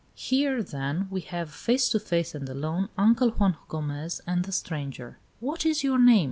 XIII. Here, then, we have, face to face and alone, Uncle Juan Gomez and the stranger. "What is your name?"